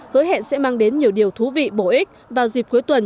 hứa hẹn sẽ mang đến nhiều điều thú vị bổ ích vào dịp cuối tuần